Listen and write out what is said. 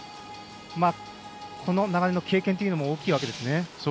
この流れの経験というのも大きいですね。